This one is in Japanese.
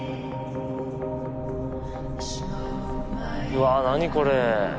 うわ何これ。